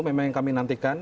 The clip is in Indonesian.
memang yang kami nantikan